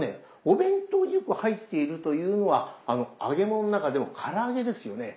お弁当によく入っているというのは揚げ物の中でもから揚げですよね。